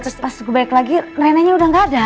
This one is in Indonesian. terus pas gue balik lagi renanya udah gak ada